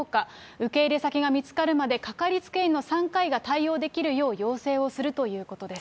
受け入れ先が見つかるまで、掛かりつけ医の産科医が対応できるよう要請をするということです。